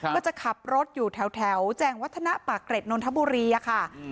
ก็จะขับรถอยู่แถวแจงวัฒนะปากเกร็ดนนทบุรีอะค่ะ